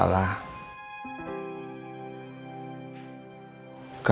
kalau sekarang ada masalah